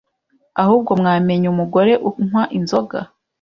ahubwo mwamenya umugore unkwa inzoga